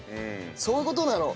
そういう事なの。